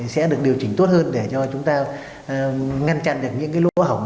sẽ được điều chỉnh tốt hơn để cho chúng ta ngăn chặn được những cái lỗ hỏng